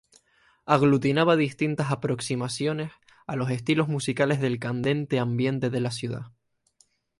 Aglutinaba distintas aproximaciones a los estilos musicales del candente ambiente de la ciudad.